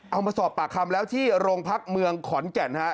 เอามาสอบปากคำแล้วที่โรงพักเมืองขอนแก่นฮะ